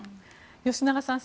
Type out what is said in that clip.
吉永さん